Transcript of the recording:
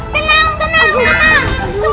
tenang tenang tenang